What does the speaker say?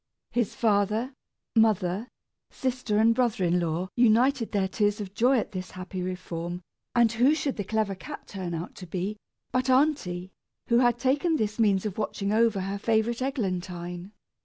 His father, mother, sister, and brother in law united their tears of joy at this happy reform, and who should the clever cat turn out to be, but aunty, who had taken this means of watching over her favorite Eglantine!